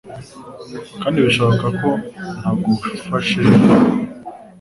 Kandi birashoboka ko ntagufashe neza